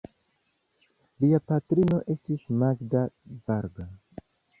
Lia patrino estis Magda Varga.